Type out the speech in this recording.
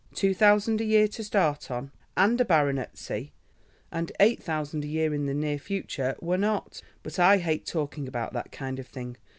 Two thousand a year to start on and a baronetcy and eight thousand a year in the near future were not—but I hate talking about that kind of thing.